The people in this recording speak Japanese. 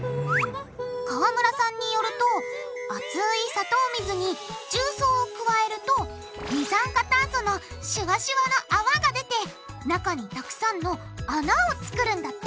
川村さんによると熱い砂糖水に重曹を加えると二酸化炭素のシュワシュワのあわが出て中にたくさんの穴を作るんだって！